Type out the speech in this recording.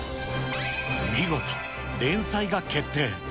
見事、連載が決定。